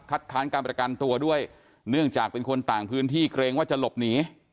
ค้านการประกันตัวด้วยเนื่องจากเป็นคนต่างพื้นที่เกรงว่าจะหลบหนี